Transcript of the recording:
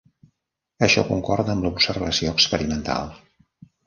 Això concorda amb l'observació experimental.